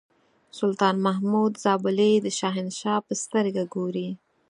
سلطان محمود زابلي د شهنشاه په سترګه ګوري.